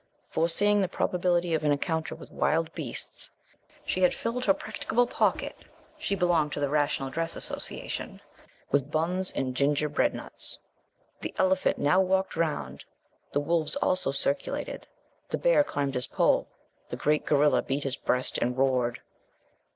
Foreseeing the probability of an encounter with wild beasts, she had filled her practicable pocket (she belonged to the Rational Dress Association) with buns and ginger bread nuts. The elephant now walked round, the wolves also circulated, the bear climbed his pole, the great gorilla beat his breast and roared.